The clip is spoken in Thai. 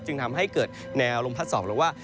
จึงทำให้เกิดแนวลมพัดสอบหรือว่า